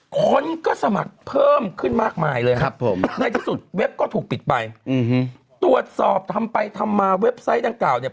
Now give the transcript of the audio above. คนก็สมัครเพิ่มขึ้นมากมายเลยครับผมในที่สุดเว็บก็ถูกปิดไปตรวจสอบทำไปทำมาเว็บไซต์ดังกล่าวเนี่ย